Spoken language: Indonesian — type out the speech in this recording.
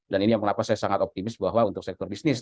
dan ini yang mengapa saya sangat optimis bahwa untuk sektor bisnis